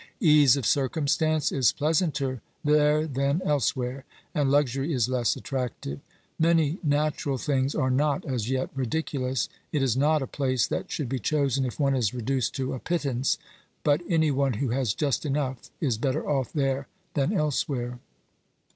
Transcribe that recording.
Ease of circumstance is pleasanter there than elsewhere, and luxury is less attractive. Many natural things are not as yet ridiculous. It is not a place that should be chosen if one is reduced to a pittance, but any one who has just enough is better off there than elsewhere.